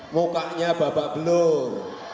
mukanya babak belur